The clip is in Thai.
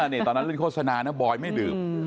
นี่ตอนนั้นเล่นโฆษณานะบอยไม่ดื่ม